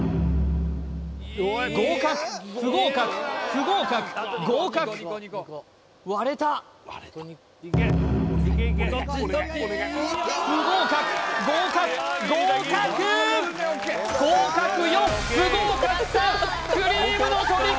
合格不合格不合格合格割れた不合格合格合格合格４不合格３クリームのトリコ！